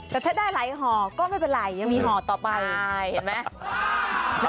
แต่ถ้าได้หลายห่อก็ไม่เป็นไรยังมีห่อต่อไปเห็นไหม